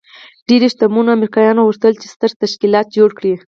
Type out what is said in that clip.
ډېرو شتمنو امریکایانو غوښتل چې ستر تشکیلات جوړ کړي